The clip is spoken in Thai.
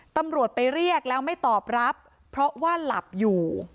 ตำรวจไปเรียกแล้วไม่ตอบรับเพราะว่าหลับอยู่